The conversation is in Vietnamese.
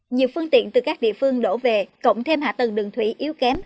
nhiều phương tiện từ các địa phương đổ về cộng thêm hạ tầng đường thủy yếu kém